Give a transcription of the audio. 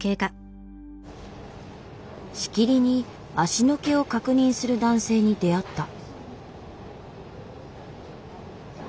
しきりに足の毛を確認する男性に出会った。